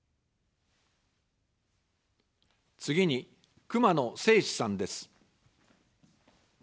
次に、熊野せいしさんです。